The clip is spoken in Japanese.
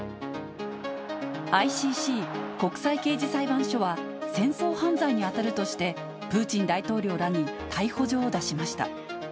ＩＣＣ・国際刑事裁判所は、戦争犯罪に当たるとして、プーチン大統領らに逮捕状を出しました。